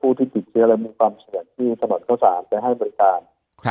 ผู้ที่กิจเชื้อในมุมความสูญแห่งที่สะดวกเข้าสามจะให้บริการ